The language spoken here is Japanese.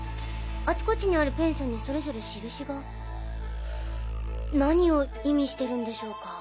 あちこちにあるペンションにそれぞれ印が何を意味してるんでしょうか？